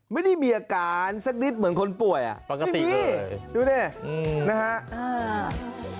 ไม่ได้มีอาการสักนิดเหมือนคนป่วยอ่ะไม่มีดูนี่นะฮะอ่า